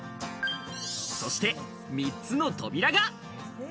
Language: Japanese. そして３つの扉が。